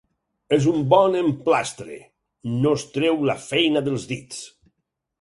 És un bon emplastre: no es treu la feina dels dits!